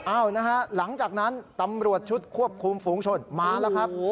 นะฮะหลังจากนั้นตำรวจชุดควบคุมฝูงชนมาแล้วครับ